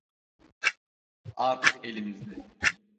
Artık elimizde.